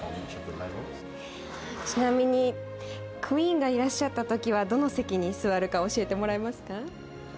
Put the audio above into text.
ちなみにクイーンがいらっしゃった時はどの席に座るか教えてもらえますか？